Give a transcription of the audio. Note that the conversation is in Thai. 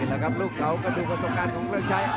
เห็นไหมครับลูกเขาก็ดูอศักดิ์นของเวิร์นชัย